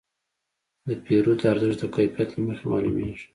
د پیرود ارزښت د کیفیت له مخې معلومېږي.